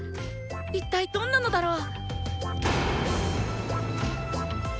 一体どんなのだろう。